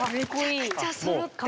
めちゃくちゃそろってる。